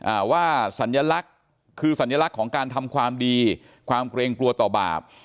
อ่าว่าสัญลักษณ์คือสัญลักษณ์ของการทำความดีความเกรงกลัวต่อบาป